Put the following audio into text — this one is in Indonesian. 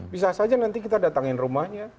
bisa saja nanti kita datangin rumahnya